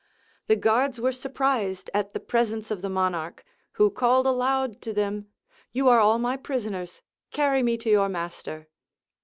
The guards were surprised at the presence of the monarch, who called aloud to them, "You are all my prisoners: carry me to your master."